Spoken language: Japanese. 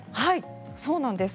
そうなんです。